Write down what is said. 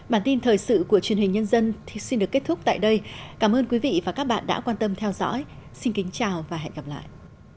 bản tin thời sự của truyền hình nhân dân xin được kết thúc tại đây cảm ơn quý vị và các bạn đã quan tâm theo dõi xin kính chào và hẹn gặp lại